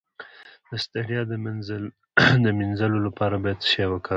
د ستړیا د مینځلو لپاره باید څه شی وکاروم؟